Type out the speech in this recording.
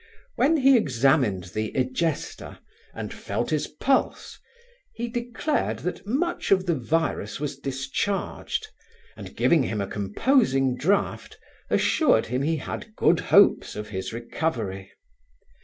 When he examined the egesta, and felt his pulse, he declared that much of the virus was discharged, and, giving him a composing draught, assured him he had good hopes of his recovery.